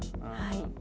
はい。